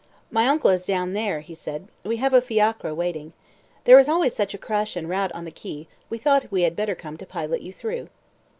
"My uncle is down here," he said. "We have a fiacre waiting. There is always such a crush and rout on the quay, we thought we had better come to pilot you through."